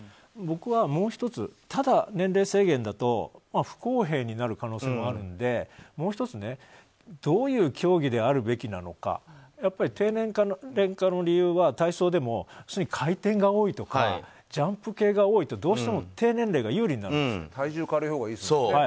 僕はもう１つ、ただ年齢制限だと不公平になる可能性もあるのでもう１つどういう競技であるべきなのかやっぱり低年齢化の理由は体操でも、回転が多いとかジャンプ系が多いとどうしても低年齢が有利になるんです。